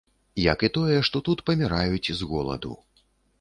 Як і тое, што тут паміраюць з голаду.